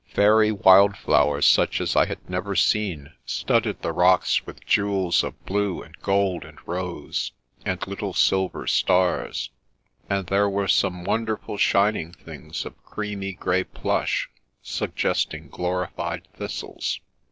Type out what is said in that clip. Fairy wild flowers such as I had never seen studded the rocks with jewels of blue and gold, and rose, and little silver stars; and there were some wonderful, shining things of creamy grey plush, suggesting glorified thistles.